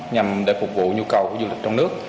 nhằm để phục vụ nhu cầu của du lịch trong nước